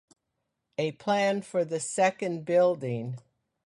A Plan for the Second Building